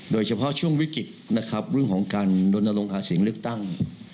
โดยเฉพาะช่วงวิกฤตนะครับเรื่องของการโดนลงหาเสียงเลือกตั้ง